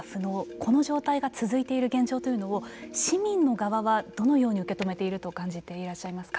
この状態が続いている現状を市民の側はどのように受け止めていると感じていらっしゃいますか。